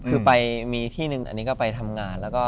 คือไปที่นึงอันนี้ก็ไปทำงาน